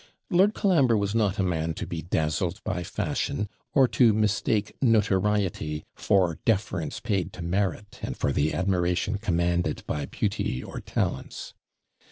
Lord Colambre was not a man to be dazzled by fashion, or to mistake notoriety for deference paid to merit, and for the admiration commanded by beauty or talents.